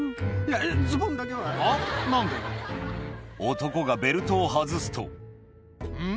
男がベルトを外すとん？